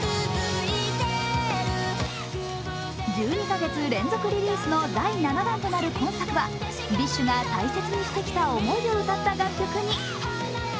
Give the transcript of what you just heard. １２カ月連続リリースの第７弾となる今作はＢｉＳＨが大切にしてきた思いを歌った楽曲に。